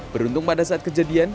beruntung pada saat kejadiannya